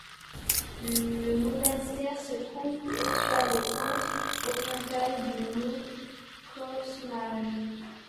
Le monastère se trouve sur les pentes orientales du mont Kosmaj.